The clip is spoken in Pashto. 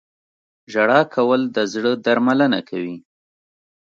• ژړا کول د زړه درملنه کوي.